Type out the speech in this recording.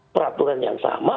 peraturan yang sama